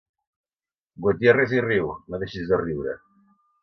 Gutiérrez i Riu, no deixis de riure.